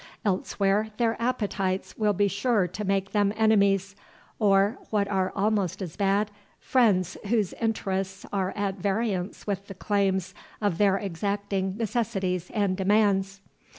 Elsewhere their appetites will be sure to make them enemies, or, what are almost as bad, friends whose interests are at variance with the claims of their exacting necessities and demands.